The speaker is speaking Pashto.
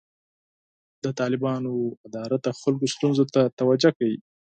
د طالبانو اداره د خلکو ستونزو ته توجه کوي.